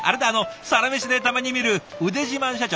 「サラメシ」でたまに見る腕自慢社長。